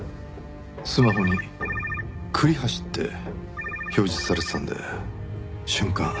スマホに「栗橋」って表示されてたんで瞬間